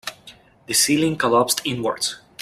The ceiling collapsed inwards.